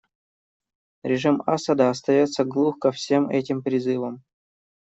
Режим Асада остается глух ко всем этим призывам.